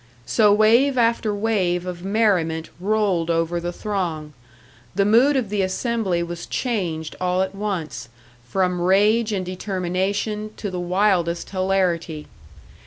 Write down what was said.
So wave after wave of merriment rolled over the throng; the mood of the assembly was changed all at once, from rage and determination to the wildest hilarity.